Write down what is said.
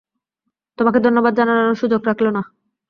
তোমাকে ধন্যবাদ জানানোর ও সুযোগ রাখলে না।